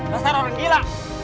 masalah orang gila